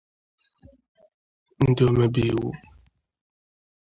ndị omebe iwu